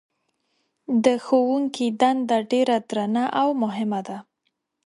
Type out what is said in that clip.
د ښوونکي دنده ډېره درنه او مهمه ده.